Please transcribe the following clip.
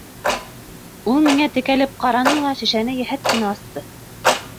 Ул миңә текәлеп ҡараны ла шешәне йәһәт кенә асты.